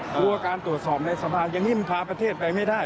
กลัวการตรวจสอบในสภายังนิ่มพาประเทศไปไม่ได้